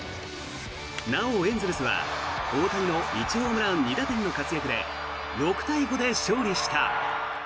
なお、エンゼルスは大谷の１ホームラン２打点の活躍で６対５で勝利した。